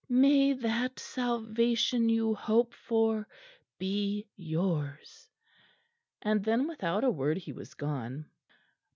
May that salvation you hope for be yours." And then without a word he was gone.